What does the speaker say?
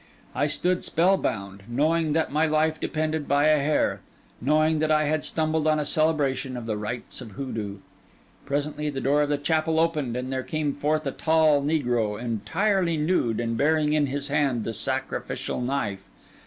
I stood spellbound, knowing that my life depended by a hair, knowing that I had stumbled on a celebration of the rites of Hoodoo. Presently, the door of the chapel opened, and there came forth a tall negro, entirely nude, and bearing in his hand the sacrificial knife.